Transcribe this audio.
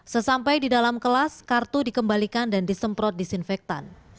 sesampai di dalam kelas kartu dikembalikan dan disemprot disinfektan